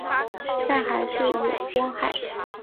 但是还是有光害